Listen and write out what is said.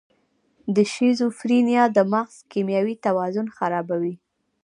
د شیزوفرینیا د مغز کیمیاوي توازن خرابوي.